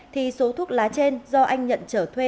thì số thuốc lá trên do anh nhận trở thuê